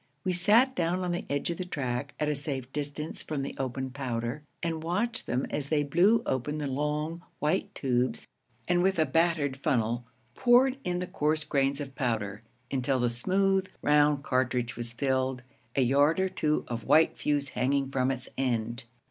We sat down on the edge of the track, at a safe distance from the open powder, and watched them as they blew open the long, white tubes and with a battered funnel poured in the coarse grains of powder, until the smooth, round cartridge was filled, a yard or two of white fuse hanging from its end.